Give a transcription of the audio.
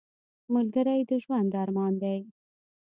ملګری د ژوند ارمان دی